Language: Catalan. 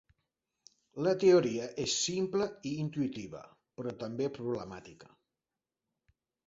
La teoria és simple i intuïtiva, però també problemàtica.